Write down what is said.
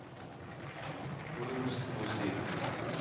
俺も失望している。